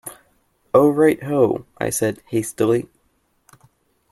"Oh, right ho," I said hastily.